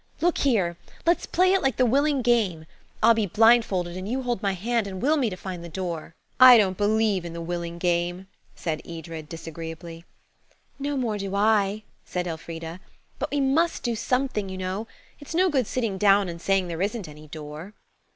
"Look here–let's play it like the willing game. I'll be blindfolded, and you hold my hand and will me to find the door." "I don't believe in the willing game," said Edred disagreeably. "No more do I," said Elfrida; "but we must do something, you know. It's no good sitting down and saying there isn't any door."